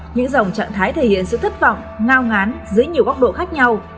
những dòng trạng thái thể hiện sự thất vọng ngao ngán dưới nhiều góc độ khác nhau